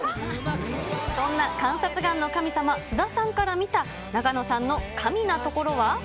そんな観察眼の神様、菅田さんから見た永野さんの神なところは？